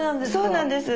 そうなんです。